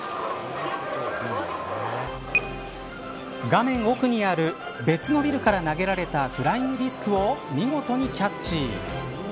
画面奥にある別のビルから投げられたフライングディスクを見事にキャッチ。